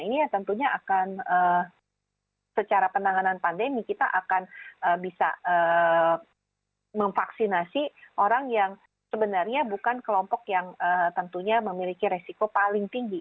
ini tentunya akan secara penanganan pandemi kita akan bisa memvaksinasi orang yang sebenarnya bukan kelompok yang tentunya memiliki resiko paling tinggi